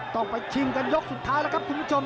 ต้องไปชิงกันยกสุดท้ายแล้วครับคุณผู้ชม